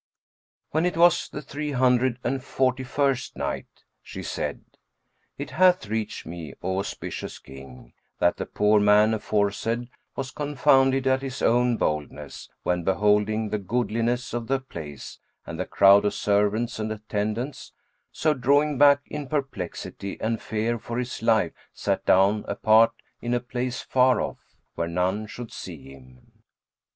When it was the Three Hundred and Forty first Night, She said, It hath reached me, O auspicious King, that the poor man aforesaid was confounded at his own boldness, when beholding the goodliness of the place and the crowd of servants and attendants; so drawing back, in perplexity and fear for his life sat down apart in a place afar off. where none should see him.